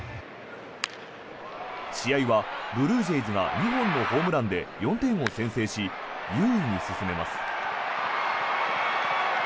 試合はブルージェイズが２本のホームランで４点を先制し優位に進めます。